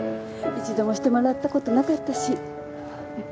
一度もしてもらった事なかったし。